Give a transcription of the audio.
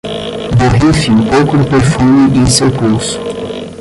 Borrife um pouco do perfume em seu pulso